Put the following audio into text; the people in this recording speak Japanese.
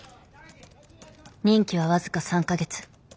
任期は僅か３か月。